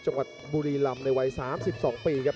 จังหวัดบุรีลำในวัย๓๒ปีครับ